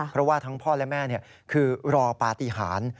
เพราะว่าทั้งพ่อและแม่คือรอปฏิหาร